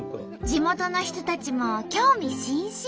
地元の人たちも興味津々！